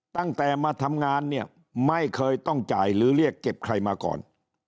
ตั้งแต่มาทำงานเนี่ยไม่เคยต้องจ่ายหรือเรียกเก็บใครมาก่อน